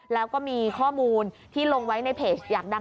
แล้วก็มีข้อมูลที่ลงไว้ในเพจอยากดัง